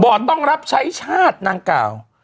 ต้องรับใช้ชาตินางกล่าว